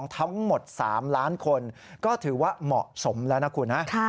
ทั้งหมด๓ล้านคนก็ถือว่าเหมาะสมแล้วนะคุณฮะ